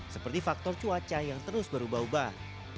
seperti faktor cuaca yang terus berubah ubah